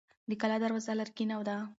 د کلا دروازه لرګینه ده.